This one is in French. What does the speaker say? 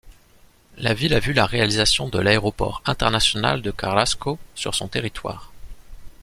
La ville a vu la réalisation de l'Aéroport international de Carrasco sur son territoire.